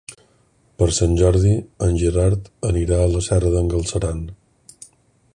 Per Sant Jordi en Gerard anirà a la Serra d'en Galceran.